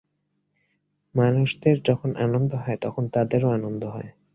মানুষদের যখন আনন্দ হয়, তখন তাদেরও আনন্দ হয়।